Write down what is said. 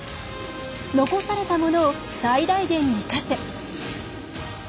残されたものを最大限に生かせ。